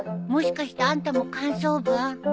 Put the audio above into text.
もしかしてあんたも感想文？